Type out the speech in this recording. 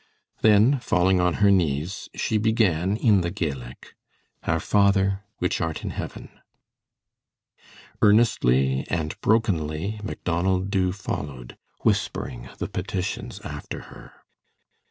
Then, falling on her knees, she began in the Gaelic, "Our Father which art in Heaven." Earnestly and brokenly Macdonald Dubh followed, whispering the petitions after her.